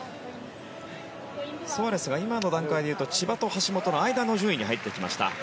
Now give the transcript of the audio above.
ソアレスが今の段階でいうと千葉と橋本の間の順位に入ってきました。